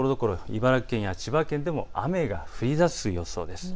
茨城県や千葉県でも雨が降りだす予想です。